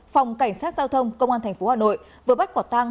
phòng cảnh sát giao thông công an thành phố hà nội vừa bắt quả tang